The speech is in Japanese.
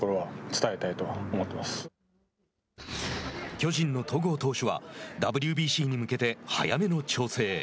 巨人の戸郷投手はＷＢＣに向けて早めの調整。